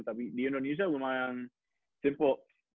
tapi di indonesia lumayan simple